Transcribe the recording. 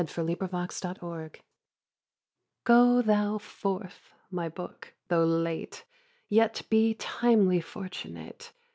TO HIS BOOK Go thou forth, my book, though late, Yet be timely fortunate.